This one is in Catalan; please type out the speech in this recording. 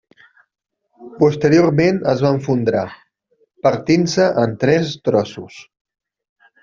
Posteriorment es va esfondrar, partint-se en tres trossos.